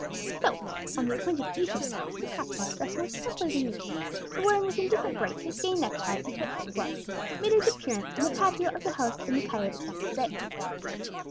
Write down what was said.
So, on the appointed evening, Mr. Passmore, dressed more carefully than usual, but wearing with indifferent grace his gay neck tie and tight fitting gloves, made his appearance in the patio of the house in the Calle de San José.